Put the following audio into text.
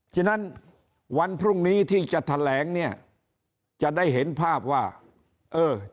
ฉะนั้นวันพรุ่งนี้ที่จะแถลงเนี่ยจะได้เห็นภาพว่าเออ